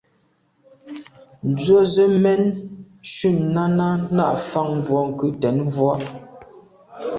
Ndzwə́ zə̄ mɛ̂n shûn Náná ná’ fáŋ bwɔ́ŋkə̂Ɂ tɛ̌n vwá’.